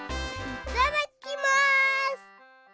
いただきます！